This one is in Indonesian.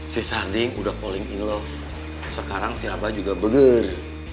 si sarding udah paling in love sekarang si abai juga burger